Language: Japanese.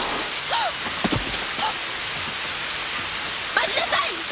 待ちなさい！